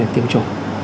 để được tiêm chủ